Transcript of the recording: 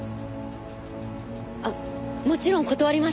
あっもちろん断りました。